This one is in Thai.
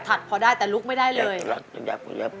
ก็ถัดพอได้แต่ลุกไม่ได้เลย